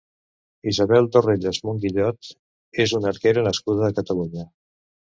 Isabel Torrellas Monguillot és una arquera nascuda a Catalunya.